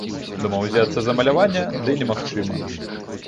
Думаў узяцца за маляванне, ды немагчыма.